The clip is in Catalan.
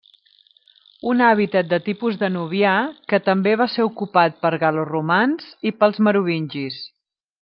Un hàbitat de tipus danubià, que també va ser ocupat per gal·loromans i pels merovingis.